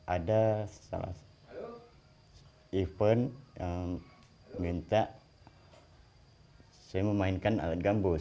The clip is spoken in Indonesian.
ada salah event yang minta saya memainkan alat gambus